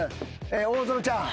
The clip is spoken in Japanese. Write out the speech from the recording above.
大園ちゃん。